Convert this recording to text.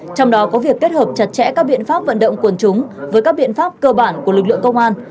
trong đó có việc kết hợp chặt chẽ các biện pháp vận động quần chúng với các biện pháp cơ bản của lực lượng công an